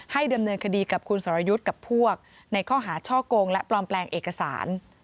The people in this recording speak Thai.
ดำเนินคดีกับคุณสรยุทธ์กับพวกในข้อหาช่อกงและปลอมแปลงเอกสาร